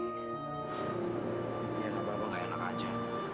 ya gak apa apa gak enak aja